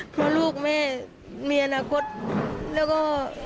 เพราะลูกแม่มีอนาคตแล้วก็